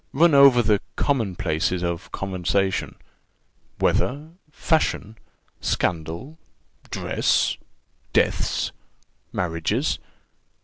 Run over the common places of conversation weather fashion scandal dress deaths marriages.